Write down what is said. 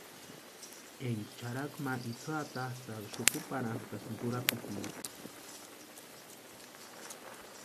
Énka charhaku ma itsï atatsïʼka xukuparhanʼtasïnti urapitiri.